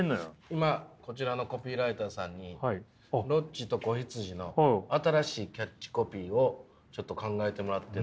今こちらのコピーライターさんに「ロッチと子羊」の新しいキャッチコピーをちょっと考えてもらってる。